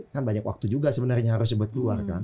kan banyak waktu juga sebenarnya harus ikut keluar kan